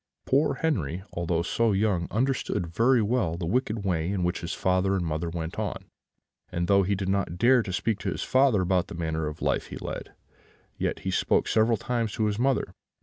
"Poor Henri, although so young, understood very well the wicked way in which his father and mother went on; and though he did not dare to speak to his father about the manner of life he led, yet he spoke several times to his mother.